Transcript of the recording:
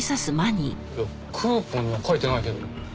クーポンには書いてないけど。